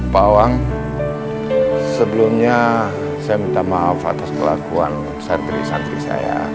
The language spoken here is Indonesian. pak wang sebelumnya saya minta maaf atas kelakuan santri santri saya